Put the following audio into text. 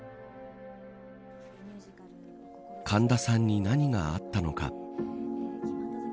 神田さんに何があったのか。